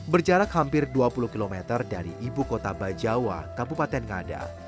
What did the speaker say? berjarak hampir dua puluh km dari ibu kota bajawa kabupaten ngada